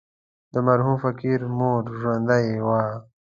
د مرحوم فقير مور ژوندۍ وه.